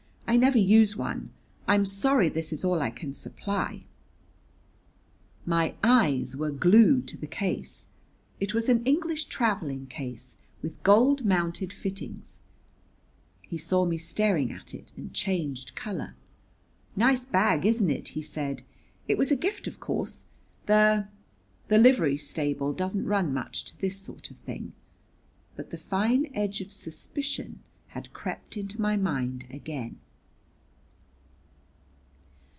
"I never use one. I'm sorry this is all I can supply." My eyes were glued to the case. It was an English traveling case, with gold mounted fittings. He saw me staring at it and changed color. "Nice bag, isn't it?" he said. "It was a gift, of course. The the livery stable doesn't run much to this sort of thing." But the fine edge of suspicion had crept into my mind again.